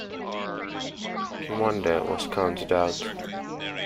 Akinwande was counted out.